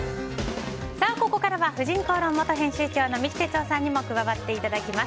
ここからは「婦人公論」元編集長三木哲男さんにも加わっていただきます。